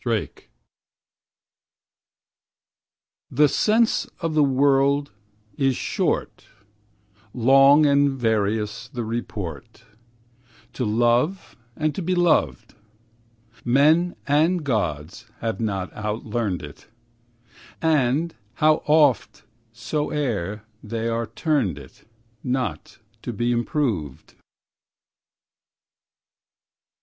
EROS The sense of the world is short, Long and various the report, To love and be beloved; Men and gods have not outlearned it; And, how oft soe'er they've turned it, Not to be improved.